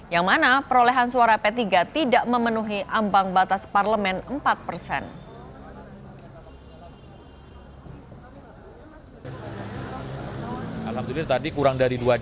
yang mana perolehan suara p tiga tidak memenuhi ambang batas parlemen empat persen